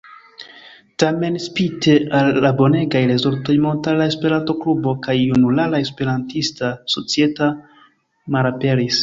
Tamen, spite al la bonegaj rezultoj, Montara Esperanto-Klubo kaj Junulara Esperantista Societo malaperis.